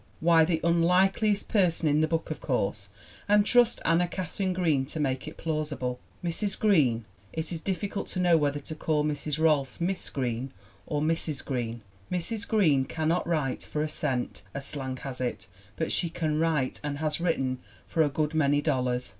Why, the unlike liest person in the book, of course, and trust Anna Katharine Green to make it plausible ! Mrs. Green it is difficult to know whether to call Mrs. Rohlfs "Miss Green" or "Mrs. Green" Mrs. Green cannot write "for a cent,' f as slang has it; but she can write and has written for a good many dol lars!